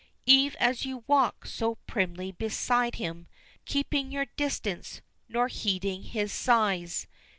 Eve, as you walk so primly beside him, Keeping your distance, nor heeding his sighs.